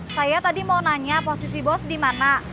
saya tadi mau nanya posisi bos di mana